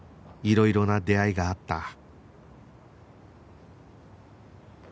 いろいろな出会いがあった